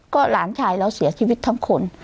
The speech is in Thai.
ก็หลานชายเราเสียชีวิตทั้งคน